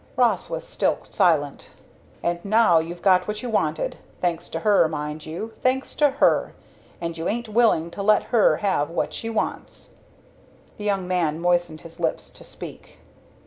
Ross was still silent. "And now you've got what you wanted thanks to her, mind you, thanks to her! and you ain't willing to let her have what she wants!" The young man moistened his lips to speak.